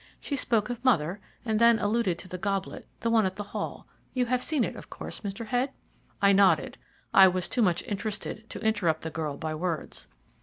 She spoke of mother, and then alluded to the goblet, the one at the Hall. You have seen it, of course, Mr. Head?" I nodded I was too much interested to interrupt the girl by words.